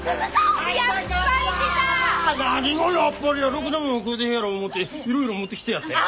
ろくなもん食うてへんやろ思うていろいろ持ってきてやったんや。